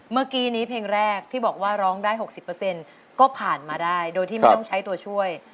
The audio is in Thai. เมื่อกี้นี้เพลงแรกที่บอกว่าร้องได้๖๐ก็ผ่านมาได้โดยที่ไม่ต้องใช้ตัวช่วย